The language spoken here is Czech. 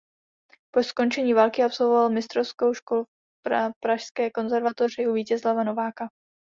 Po skončení války absolvoval mistrovskou školu na Pražské konzervatoři u Vítězslava Nováka.